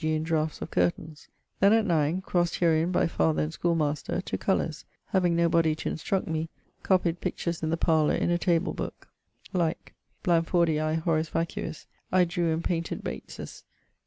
g. in draughts of curtaines. Then at 9 (crossed herein by father and schoolmaster), to colours, having no body to instruct me; copied pictures in the parlour in a table booke like[U]. Blandfordiae, horis vacuis, I drew and painted Bates's